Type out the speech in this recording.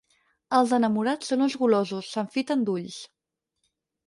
Els enamorats són uns golosos; s'enfiten d'ulls.